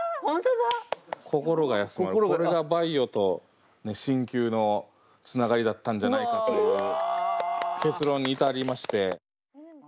これがバイオと心休のつながりだったんじゃないかという結論に至りまして。